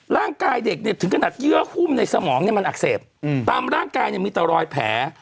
ร่างกายเด็กถึงขนาดเยอะหุ้มในสมองนี้มันอักเสบตามร่างกายมีแต่รอยแผล